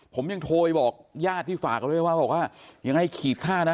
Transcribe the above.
ผมยังโทยบอกญาติที่ฝากเลยว่ายังไงขีดค่านะ